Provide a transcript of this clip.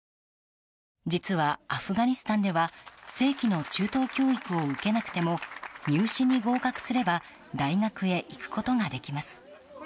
実は、アフガニスタンでは正規の中等教育を受けなくても入試に合格すれば大学へ行くことができます。